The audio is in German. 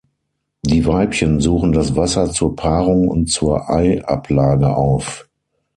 Die Weibchen suchen das Wasser zur Paarung und zur Eiablage auf.